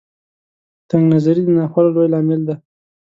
تنګ نظري د ناخوالو لوی لامل دی.